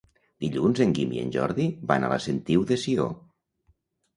Dilluns en Guim i en Jordi van a la Sentiu de Sió.